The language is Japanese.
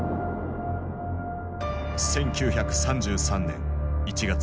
１９３３年１月。